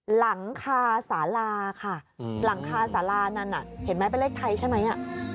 หลังคาสาลาค่ะหลังคาสารานั้นเห็นไหมเป็นเลขไทยใช่ไหม